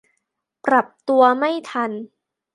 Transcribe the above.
ปรับตัวไม่ทัน